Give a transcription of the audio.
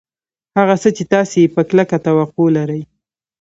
هغه څه چې تاسې یې په کلکه توقع لرئ